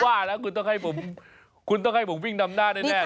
ว่าแล้วคุณต้องให้ผมคุณต้องให้ผมวิ่งนำหน้าแน่